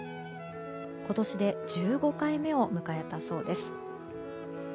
今年で１５回目を迎えたそうです。